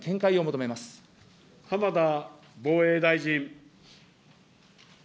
浜田防衛大臣。